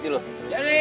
tahan be be be